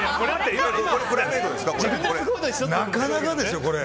なかなかでしょ、これ。